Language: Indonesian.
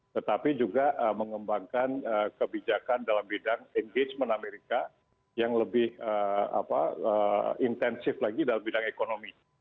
tetapi juga mengembangkan kebijakan dalam bidang engagement amerika yang lebih intensif lagi dalam bidang ekonomi